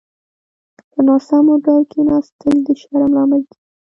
په ناسمو ډول کيناستل د شرم لامل کېږي.